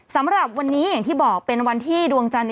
สำหรับวันนี้อย่างที่บอกเป็นวันที่ดวงจันทร์